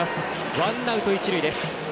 ワンアウト、一塁です。